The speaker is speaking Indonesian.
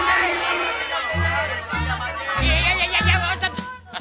siapa yang mau makan bubur